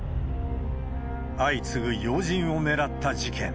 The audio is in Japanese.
相次ぐ要人を狙った事件。